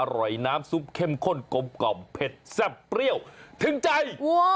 อร่อยน้ำซุปเข้มข้นกลมเผ็ดแซ่บเปรี้ยวถึงใจ